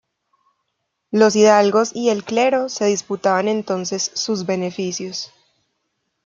Los hidalgos y el clero se disputaban entonces sus beneficios.